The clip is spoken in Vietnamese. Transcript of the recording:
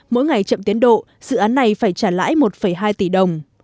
mỗi ngày chậm tiến độ dự án này phải trả lãi một hai tỷ đồng